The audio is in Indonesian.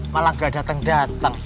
malah gak dateng dateng